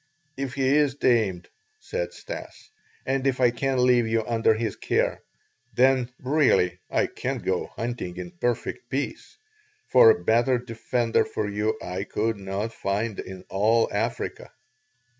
"If he is tamed," said Stas, "and if I can leave you under his care, then really I can go hunting in perfect peace, for a better defender for you I could not find in all Africa."